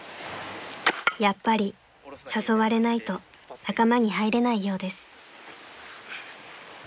［やっぱり誘われないと仲間に入れないようです］